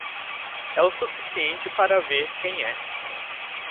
É o suficiente para ver quem é.